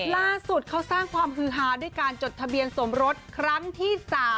ล่าสุดเขาสร้างความฮือฮาด้วยการจดทะเบียนสมรสครั้งที่๓